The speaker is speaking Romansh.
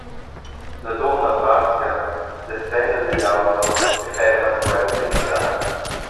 La dunna parca, descenda digl auto e ferma quel en siara.